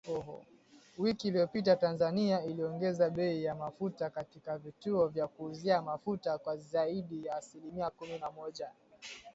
Wiki iliyopita Tanzania iliongeza bei ya mafuta katika vituo vya kuuzia mafuta kwa zaidi ya asilimia kumi na moja